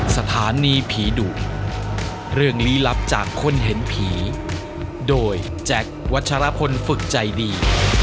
สถานีผีดุเรื่องลี้ลับจากคนเห็นผีโดยแจ็ควัชรพลฝึกใจดี